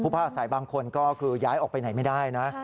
พักอาศัยบางคนก็คือย้ายออกไปไหนไม่ได้นะ